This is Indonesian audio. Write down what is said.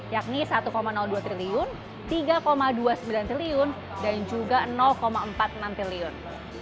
yakni rp satu dua triliun rp tiga dua puluh sembilan triliun dan juga empat puluh enam triliun